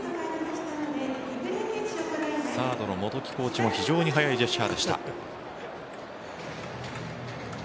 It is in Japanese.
サードの元木コーチも非常に早いジェスチャーでした。